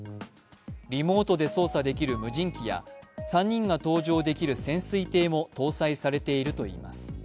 リモートで操作できる無人機や３人が搭乗できる潜水艇も搭載されているといいます。